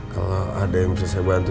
kalau ada yang bisa saya bantu